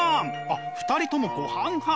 あっ２人ともごはん派！？